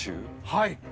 はい。